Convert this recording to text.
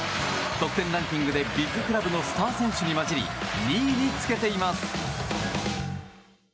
得点ランキングでビッグクラブのスター選手に交じり、２位につけています。